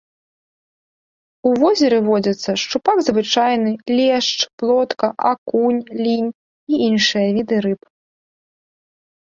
У возеры водзяцца шчупак звычайны, лешч, плотка, акунь, лінь і іншыя віды рыб.